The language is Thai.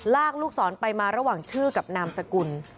ลูกศรไปมาระหว่างชื่อกับนามสกุล